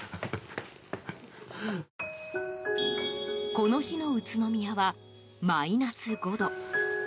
この日の宇都宮はマイナス５度。